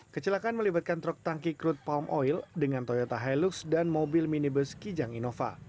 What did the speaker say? kecelakaan melibatkan truk tangki crude palm oil dengan toyota hilux dan mobil minibus kijang innova